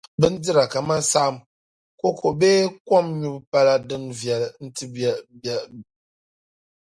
Bindira kaman’ saɣim, koko bee kɔm nyubu pala din viɛli n-ti bilɛɣu.